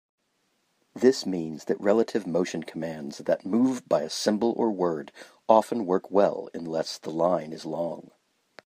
This means that relative motion commands that move by a symbol or word often work well unless the line is long.